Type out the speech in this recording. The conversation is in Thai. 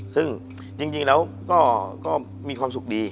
ซึ่งจริงแล้วก็มีความสุขดี